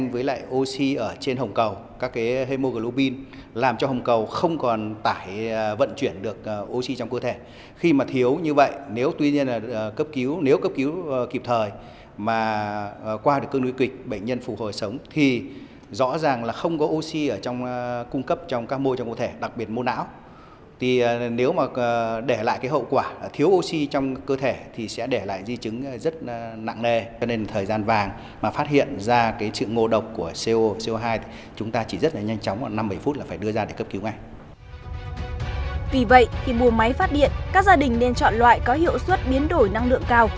vì vậy khi mua máy phát điện các gia đình nên chọn loại có hiệu suất biến đổi năng lượng cao